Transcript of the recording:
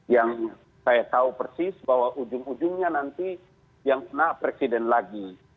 yang saya tahu persis bahwa ujung ujungnya nanti yang pernah presiden lagi